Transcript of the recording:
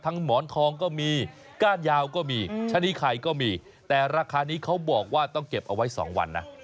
หมอนทองก็มีก้านยาวก็มีชะนีไข่ก็มีแต่ราคานี้เขาบอกว่าต้องเก็บเอาไว้๒วันนะ